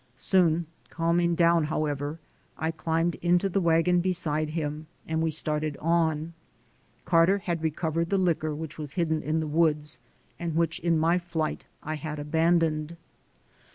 Soon calming down, however, I climbed into the wagon beside him, and we started on. Carter had recovered the liquor which was hidden in the woods, and which in my flight I had abandoned.